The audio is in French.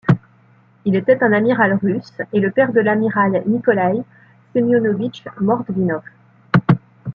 Il était un amiral russe et le père de l'amiral Nikolaï Semyonovitch Mordvinov.